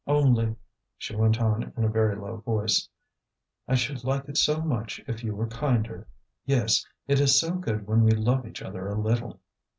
"Only," she went on in a very low voice, "I should like it so much if you were kinder. Yes, it is so good when we love each other a little."